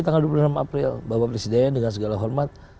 tanggal dua puluh enam april bapak presiden dengan segala hormat